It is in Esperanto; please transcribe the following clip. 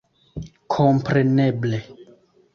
Kompreneble!